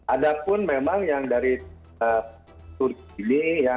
ada pun memang yang dari turki ini